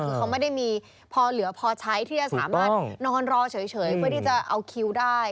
คือเขาไม่ได้มีพอเหลือพอใช้ที่จะสามารถนอนรอเฉยเพื่อที่จะเอาคิวได้